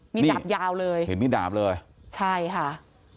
มีดาบยาวเลยเห็นมีดดาบเลยใช่ค่ะ